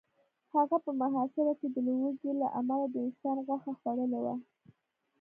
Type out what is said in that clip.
هغه په محاصره کې د لوږې له امله د انسان غوښه خوړلې وه